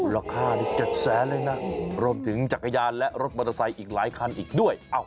ค่านี้๗แสนเลยนะรวมถึงจักรยานและรถมอเตอร์ไซค์อีกหลายคันอีกด้วย